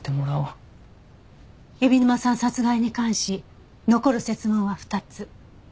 海老沼さん殺害に関し残る設問は２つ。